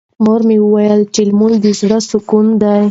مور مې وویل چې لمونځ د زړه سکون دی.